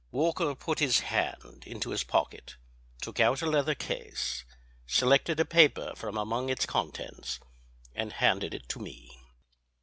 Walker put his hand into his pocket, took out a leather case, selected a paper from among its contents and handed it to me.